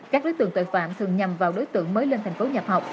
các đối tượng tội phạm thường nhằm vào đối tượng mới lên thành phố nhập học